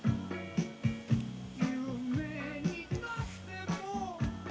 「有名になっても」